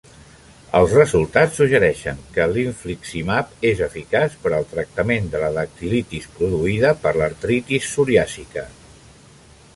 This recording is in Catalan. Els resultats suggereixen que l'infliximab és eficaç per al tractament de la dactilitis produïda per l'artritis psoriàsica.